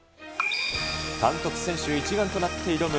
監督、選手一丸となって挑む